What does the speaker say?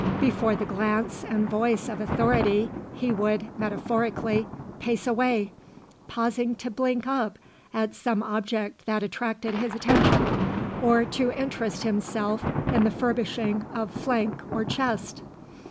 Before the glance and voice of authority he would, metaphorically, pace away; pausing to blink up at some object that attracted his attention or to interest himself in the furbishing of flank or chest.